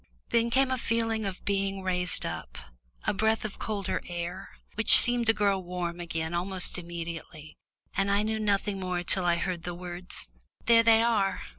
Then came a feeling of being raised up, a breath of colder air, which seemed to grow warm again almost immediately, and I knew nothing more till I heard the words, "Here they are."